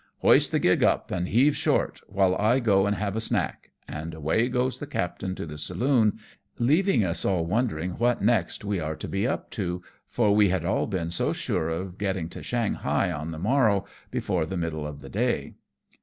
" Hoist the gig up and heave short, while I go and have a snack ;" and away goes the captain to the saloon, leaving us all wondering what next we are to be up to, for we had all been so sure of getting to Shanghai on the morrow, before the middle of the day.